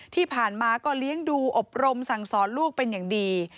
ที่ผ่านมาก็เลี้ยงดูอบรมสั่งสอนลูกเป็นอย่างดี